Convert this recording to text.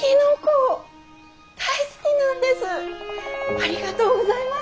ありがとうございます。